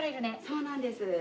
そうなんです。